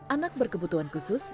anak berkebutuhan khusus